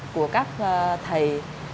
của các thầy